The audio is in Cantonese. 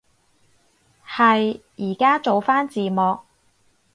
係，依家做返字幕